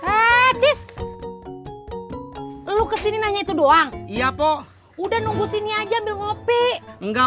eh tis lu ke sini nanya itu doang iya po udah nunggu sini aja beli ngopi enggak